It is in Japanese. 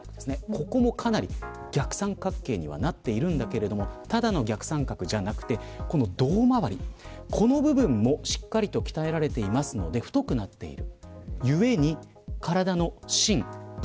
ここも逆三角形にはなっているんだけれどもただの逆三角ではなくて胴回りもしっかりと鍛えられているので太くなっている。